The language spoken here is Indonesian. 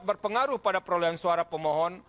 berpengaruh pada perolehan suara pemohon